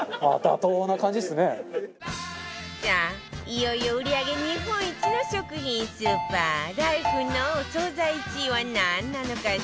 いよいよ売り上げ日本一の食品スーパーライフのお惣菜１位はなんなのかしら？